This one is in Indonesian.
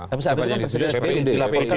tapi saat itu kan presiden dilaporkan